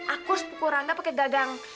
aku harus pukul rangga pakai gagang